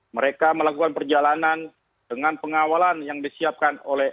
mereka melakukan perjalanan dengan pengawalan yang disiapkan oleh